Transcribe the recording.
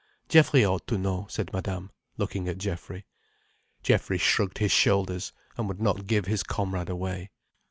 "Geoffrey ought to know," said Madame, looking at Geoffrey. Geoffrey shrugged his shoulders, and would not give his comrade away.